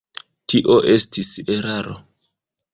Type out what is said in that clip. Tio estis eraro.